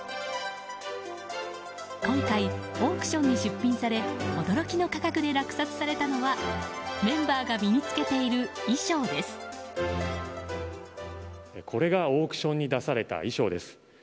今回、オークションに出品され驚きの価格で落札されたのはメンバーが身に着けているこれがオークションに出された衣装です。